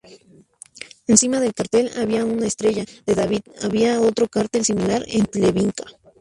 Encima del cartel había una estrella de David, había otro cartel similar en Treblinka.